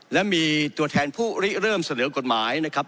และมีตัวแทนผู้ริเริ่มเสนอกฎหมายนะครับ